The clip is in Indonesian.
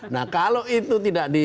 nah kalau itu tidak